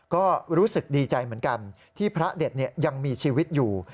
ก็รู้สึกดีใจเหมือนกันที่พระเด็ดยังมีชีวิตอยู่